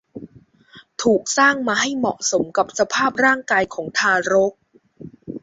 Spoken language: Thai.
ถูกสร้างมาให้เหมาะสมกับสภาพร่างกายของทารก